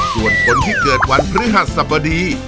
ส่วนคนที่เกิดวันพฤหัสสบดี